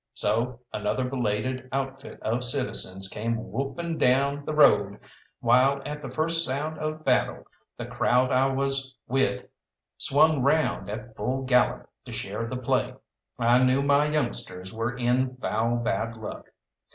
So another belated outfit of citizens came whooping down the road, while at the first sound of battle, the crowd I was with swung round at full gallop to share the play. I knew my youngsters were in foul bad luck.